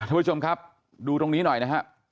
ท่านผู้ชมครับดูตรงนี้หน่อยนะครับ